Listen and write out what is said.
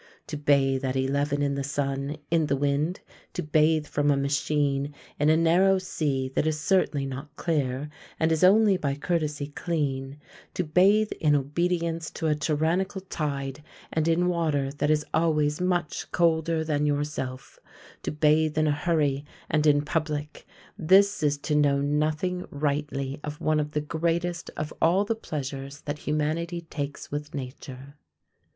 To bathe at eleven in the sun, in the wind, to bathe from a machine, in a narrow sea that is certainly not clear and is only by courtesy clean, to bathe in obedience to a tyrannical tide and in water that is always much colder than yourself, to bathe in a hurry and in public this is to know nothing rightly of one of the greatest of all the pleasures that humanity takes with nature.